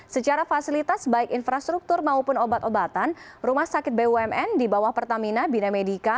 secara fasilitas baik infrastruktur maupun obat obatan rumah sakit bumn di bawah pertamina bina medica